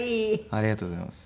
ありがとうございます。